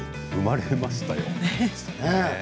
生まれましたよ。